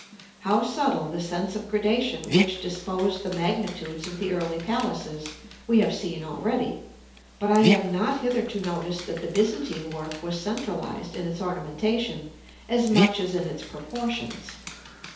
How subtle the sense of gradation which disposed the magnitudes of the early palaces we have seen already, but I have not hitherto noticed that the Byzantine work was centralized in its ornamentation as much as in its proportions.